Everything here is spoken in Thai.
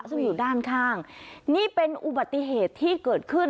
ซึ่งอยู่ด้านข้างนี่เป็นอุบัติเหตุที่เกิดขึ้น